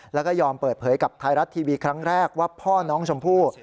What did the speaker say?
แล้วก็ยอมเปิดเผยกับไทยรัฐทีวีครั้งแรกว่าพ่อน้องชมพู่